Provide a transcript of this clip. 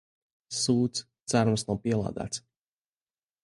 Sūds, cerams nav pielādēts.